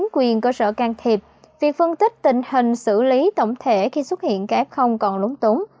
quyền cơ sở can thiệp việc phân tích tình hình xử lý tổng thể khi xuất hiện các f còn lúng túng